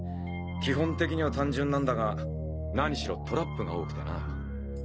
基本的には単純なんだがなにしろトラップが多くてな。